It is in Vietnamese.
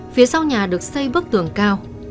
phía sau nhà được xây bức tường cao